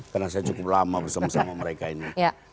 karena saya cukup lama bersama sama mereka ini